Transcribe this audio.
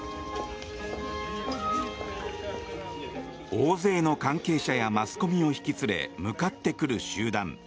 大勢の関係者やマスコミを引き連れ向かってくる集団。